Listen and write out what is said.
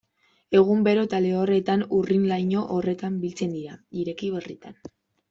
Egun bero eta lehorretan urrin-laino horretan biltzen dira, ireki berritan.